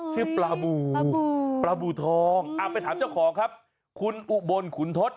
ชื่อปลาบูปลาบูทองไปถามเจ้าของครับคุณอุบลขุนทศ